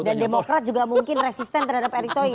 dan demokrat juga mungkin resisten terhadap erick thohir